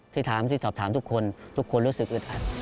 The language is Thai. ที่ถามที่สอบถามทุกคนทุกคนรู้สึกอึดอัด